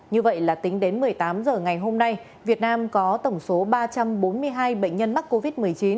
như vậy là tính đến một mươi tám h ngày hôm nay việt nam có tổng số ba trăm bốn mươi hai bệnh nhân mắc covid một mươi chín